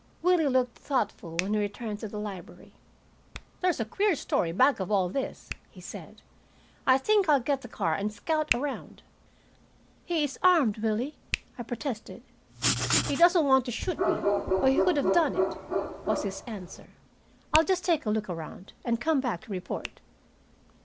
Willie looked thoughtful when he returned to the library. "There's a queer story back of all this," he said. "I think I'll get the car and scout around." "He is armed, Willie," I protested. "He doesn't want to shoot me, or he could have done it," was his answer. "I'll just take a look around, and come back to report."